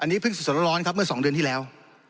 อันนี้เพิ่งสดร้อนครับเมื่อ๒เดือนที่แล้ว